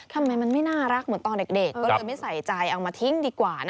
ทำไมมันไม่น่ารักเหมือนตอนเด็กก็เลยไม่ใส่ใจเอามาทิ้งดีกว่านะ